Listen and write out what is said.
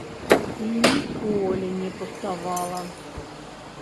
І ніколі не пуставала.